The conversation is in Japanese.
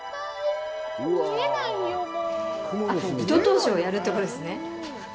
あっ、糸通しをやるってことですね。